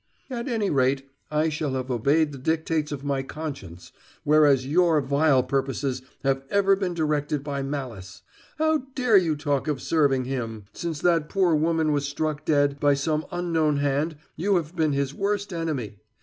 "At any rate, I shall have obeyed the dictates of my conscience, whereas your vile purposes have ever been directed by malice. How dare you talk of serving him! Since that poor woman was struck dead by some unknown hand you have been his worst enemy.